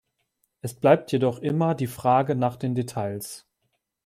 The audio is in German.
Es bleibt jedoch immer die Frage nach den Details.